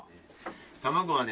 卵はね